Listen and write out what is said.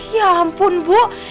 ya ampun bu